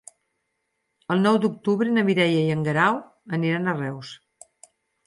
El nou d'octubre na Mireia i en Guerau aniran a Reus.